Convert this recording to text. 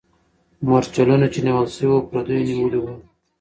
مرچلونه چې نیول سوي وو، پردیو نیولي وو.